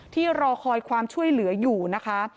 รอคอยความช่วยเหลืออยู่นะคะ